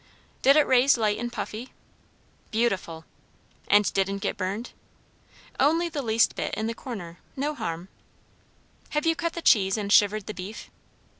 "Did it raise light and puffy?" "Beautiful." "And didn't get burned?" "Only the least bit, in the corner. No harm." "Have you cut the cheese and shivered the beef?"